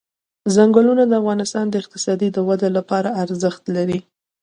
ځنګلونه د افغانستان د اقتصادي ودې لپاره ارزښت لري.